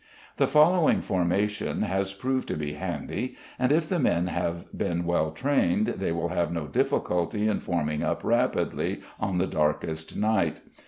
The following formation has proved to be handy, and, if the men have been well trained, they will have no difficulty in forming up rapidly on the darkest night.